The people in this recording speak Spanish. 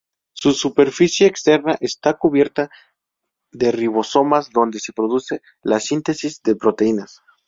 Su superficie externa está cubierta de ribosomas, donde se produce la síntesis de proteínas.